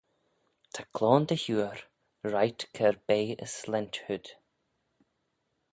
Ta cloan dty huyr reiht cur bea as slaynt hood.